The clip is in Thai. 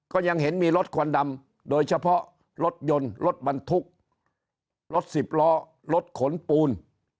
ก็ยังเห็นมีรถควันดำโดยเฉพาะรถยนต์รถบรรทุกรถสิบล้อรถขนปูน